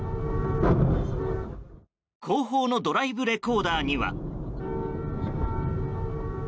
後方のドライブレコーダーには。